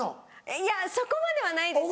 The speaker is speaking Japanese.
いやそこまではないですけど。